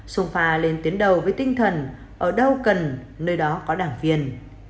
xung phà lên tiến đầu với tinh thần ở đâu cần nơi đó có đảng viên